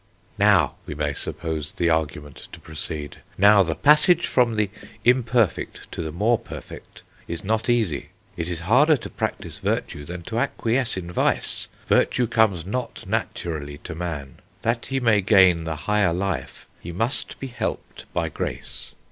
"Now," we may suppose the argument to proceed, "now, the passage from the imperfect to the more perfect is not easy. It is harder to practise virtue than to acquiesce in vice; virtue comes not naturally to man; that he may gain the higher life, he must be helped by grace.